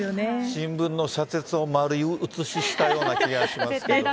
新聞の社説を丸写ししたような気がしますけど。